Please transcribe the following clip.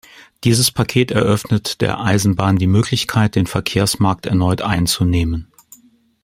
Dieses Paket eröffnet der Eisenbahn die Möglichkeit, den Verkehrsmarkt erneut "einzunehmen".